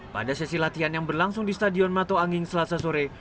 pada sesi latihan yang berlangsung di stadion mato anging selasa sore